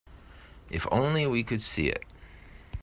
If only we could see it.